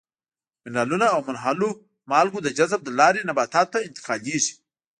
منرالونه او منحلو مالګو د جذب له لارې نباتاتو ته انتقالیږي.